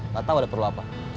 gak tau ada perlu apa